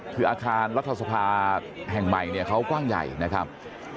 คืออาคารรัฐสภาแห่งใหม่เนี่ยเขากว้างใหญ่นะครับ